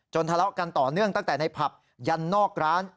ทะเลาะกันต่อเนื่องตั้งแต่ในผับยันนอกร้าน